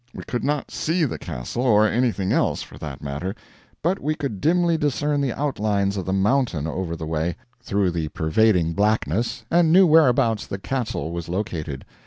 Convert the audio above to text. We could not SEE the Castle or anything else, for that matter but we could dimly discern the outlines of the mountain over the way, through the pervading blackness, and knew whereabouts the Castle was located.